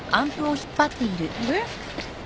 あれ？